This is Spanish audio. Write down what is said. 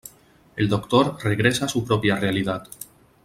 El Doctor regresa a su propia realidad.